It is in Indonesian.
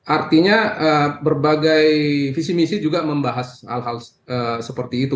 artinya berbagai visi misi juga membahas hal hal seperti itu